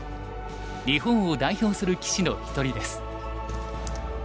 日本を代表する棋士の一人です。